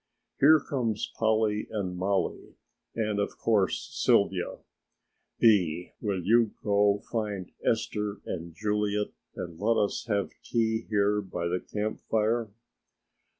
"Here comes Polly and Mollie and, of course Sylvia. Bee, will you go find Eleanor and Juliet and let us have tea here by the camp fire.